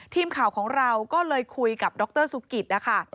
ทีมข่าวของเราก็เลยคุยกับดรสุกิตนะคะ